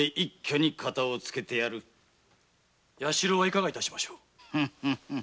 弥四郎はいかが致しましょう？